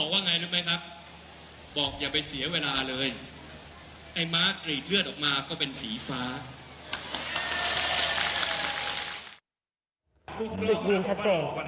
หยุดยืนชัดเจน